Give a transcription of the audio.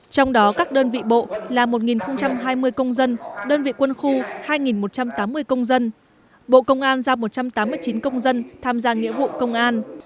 trong đó các đơn vị bộ là một hai mươi công dân đơn vị quân khu hai một trăm tám mươi công dân bộ công an giao một trăm tám mươi chín công dân tham gia nghĩa vụ công an